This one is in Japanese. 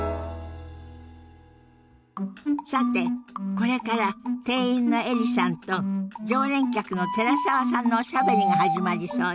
さてこれから店員のエリさんと常連客の寺澤さんのおしゃべりが始まりそうよ。